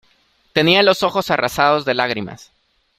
Tenía los ojos arrasados de lágrimas.